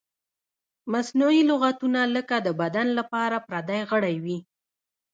مصنوعي لغتونه لکه د بدن لپاره پردی غړی وي.